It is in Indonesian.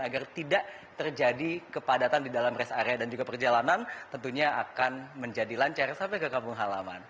agar tidak terjadi kepadatan di dalam rest area dan juga perjalanan tentunya akan menjadi lancar sampai ke kampung halaman